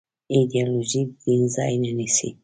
ایدیالوژي د دین ځای نيسي.